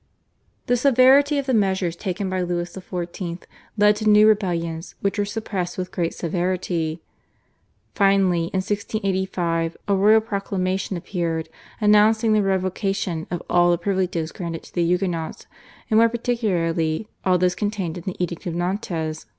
The severity of the measures taken by Louis XIV. led to new rebellions, which were suppressed with great severity. Finally in 1685 a royal proclamation appeared announcing the revocation of all the privileges granted to the Huguenots and more particularly all those contained in the Edict of Nantes (1685).